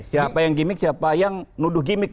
siapa yang gimmick siapa yang nuduh gimmick